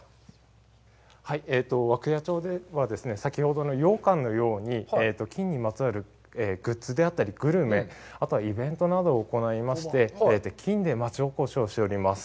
涌谷町では、先ほどの羊羹のように金にまつわるグッズであったり、グルメ、あとはイベントなどを行いまして、金で町おこしをしております。